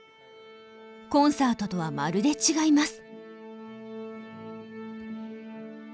コンサートとはまるで違います。